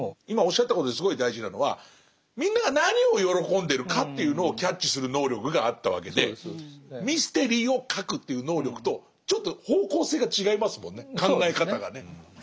今おっしゃったことですごい大事なのはみんなが何を喜んでるかっていうのをキャッチする能力があったわけでミステリーを書くという能力とちょっと方向性が違いますもんね考え方がね。